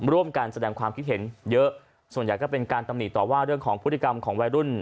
ร่วมกันแสดงความคิดเห็นเยอะส่วนใหญ่ก็เป็นการตำหนิต่อว่าเรื่องของพฤติกรรมของวัยรุ่น